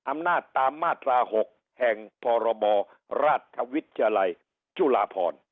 อำนาจตามมาตรา๖แห่งพรบราชวิทยาลัยจุฬาพร